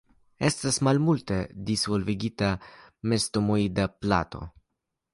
Estas malmulte disvolvigita mestemoida plato.